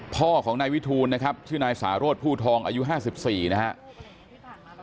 พ่อของนายวิทูลนะครับชื่อนายสาโรธผู้ทองอายุ๕๔นะครับ